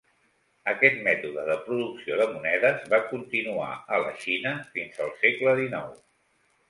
Aquest mètode de producció de monedes va continuar a la Xina fins el segle XIX.